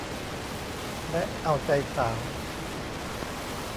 และเอาใจสาว